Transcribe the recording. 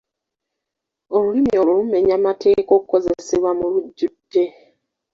Olulimi olwo lumenya mateeka okukozesebwa mu lujjudde.